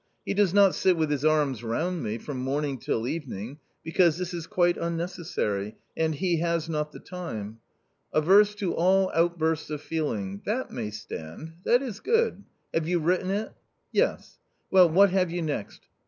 He does not sit with his arms round me, from morning till evening, because this is quite unnecessary, and he has not the time. * Averse to all outbursts of feeling ' —that may stand : that is good. Have you written it ?"" Yes." " Well, what have you next ?